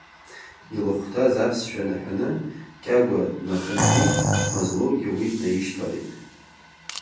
Илыхәҭаз аԥсшәа наҳәаны, Кьагәа днахынҳәит, Мазлоугьы уи днаишьҭалеит.